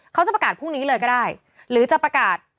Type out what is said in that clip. เขาจะประกาศพรุ่งนี้เลยก็ได้หรือจะประกาศ